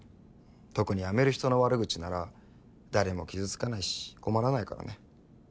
特に辞める人の悪口なら誰も傷つかないし困らないからね。